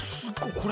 これ？